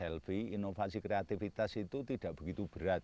tempat selfie inovasi kreativitas itu tidak begitu berat